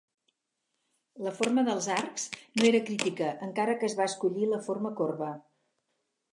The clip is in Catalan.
La forma dels arcs no era crítica, encara que es va escollir la forma corba.